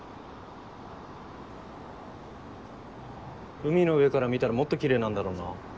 海の上から見たらもっと奇麗なんだろうな。